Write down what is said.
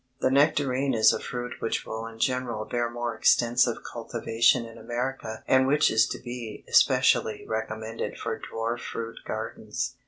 The nectarine is a fruit which will in general bear more extensive cultivation in America and which is to be especially recommended for dwarf fruit gardens.